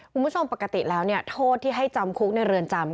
คุณผู้ชมปกติแล้วเนี่ยโทษที่ให้จำคุกในเรือนจำ